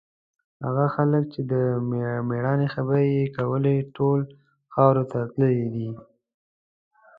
هغه خلک چې د مېړانې خبرې یې کولې، ټول خاورو ته تللي دي.